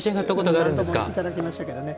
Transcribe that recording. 何度もいただきましたけどね。